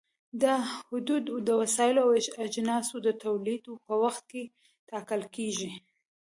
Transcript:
دا حدود د وسایلو او اجناسو د تولید په وخت کې ټاکل کېږي.